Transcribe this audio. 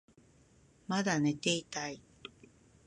まだ寝ていたい